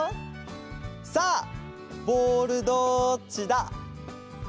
さあボールどっちだ？